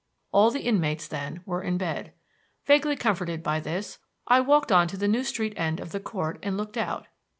All the inmates, then, were in bed. Vaguely comforted by this, I walked on to the New Street end of the Court and looked out.